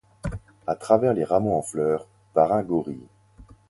A travers les rameaux en fleurs, par un gorille.